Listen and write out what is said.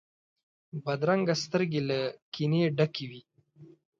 بدرنګه سترګې له کینې ډکې وي